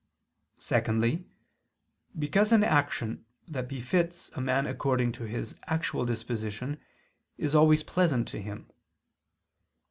Secondly, because an action, that befits a man according to his actual disposition, is always pleasant to him.